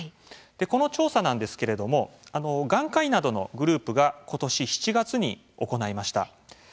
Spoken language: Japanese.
この調査なんですけれども眼科医などのグループが今年７月に行いました。